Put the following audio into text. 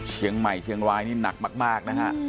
เชียงใหม่เชียงรายนี่หนักมากนะฮะ